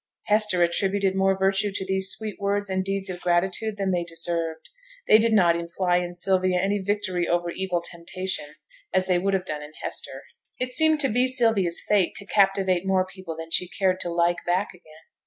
Hester attributed more virtue to these sweet words and deeds of gratitude than they deserved; they did not imply in Sylvia any victory over evil temptation, as they would have done in Hester. It seemed to be Sylvia's fate to captivate more people than she cared to like back again.